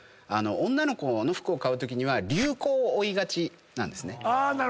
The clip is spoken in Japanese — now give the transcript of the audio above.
女の子の服を買うときには流行を追いがちなんですね。